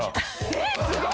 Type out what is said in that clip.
えっすごい！